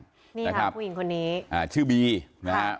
นี่ครับคุณหญิงคนนี้อ่าชื่อบีนะฮะ